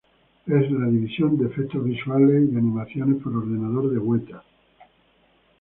Es la división de efectos visuales y animación por ordenador de Weta.